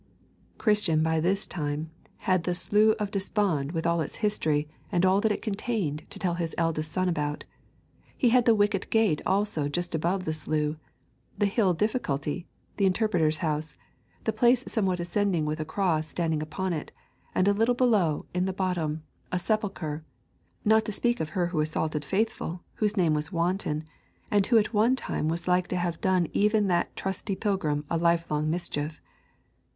Christian by this time had the Slough of Despond with all its history and all that it contained to tell his eldest son about; he had the wicket gate also just above the slough, the hill Difficulty, the Interpreter's House, the place somewhat ascending with a cross standing upon it, and a little below, in the bottom, a sepulchre, not to speak of her who assaulted Faithful, whose name was Wanton, and who at one time was like to have done even that trusty pilgrim a lifelong mischief.